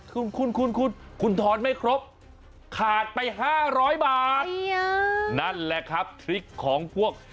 คุณคุณทอนไม่ครบขาดไป๕๐๐บาทนั่นแหละครับทริคของพวก